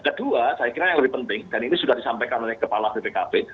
kedua saya kira yang lebih penting dan ini sudah disampaikan oleh kepala bpkp